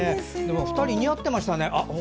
２人、似合ってましたね